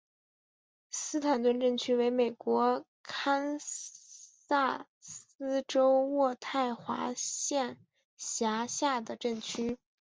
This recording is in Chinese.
斯坦顿镇区为美国堪萨斯州渥太华县辖下的镇区。